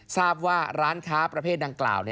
ทราบว่าร้านค้าประเภทดังกล่าว